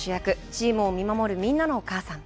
チームを見守る、みんなのお母さん。